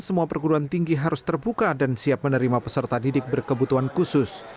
semua perguruan tinggi harus terbuka dan siap menerima peserta didik berkebutuhan khusus